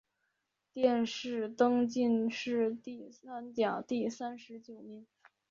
殿试登进士第三甲第三十九名。